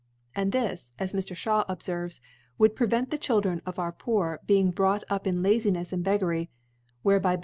* And this, as Mr. Sbaw obferves, • would prevent the * Children of our Poor being brought up * in Lazinefs and Beggary, whereby Beg *.